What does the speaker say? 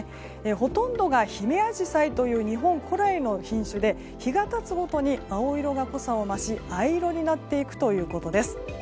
ほとんどがヒメアジサイという日本古来の品種で日が経つほどに青色が濃さを増し藍色になっていくということです。